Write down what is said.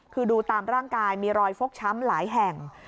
คือดูตามร่างกายมีรอยฟกช้ำหลายแห่ง